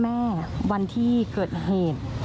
วันที่เกิดเหตุ